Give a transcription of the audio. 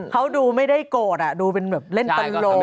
เขาดูไม่ได้โกรธดูเป็นแบบเล่นตลโล